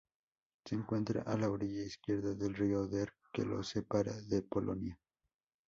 Se encuentra a la orilla izquierda del río Oder que lo separa de Polonia.